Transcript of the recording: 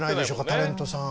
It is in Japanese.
タレントさん。